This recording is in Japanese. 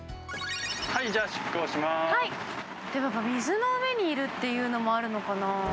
じゃあ、水の上にいるっていうのもあるのかなー。